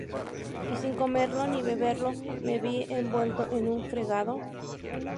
Y sin comerlo ni beberlo, me vi envuelto en un fregado